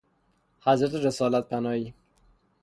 حضرت رسالت پناهی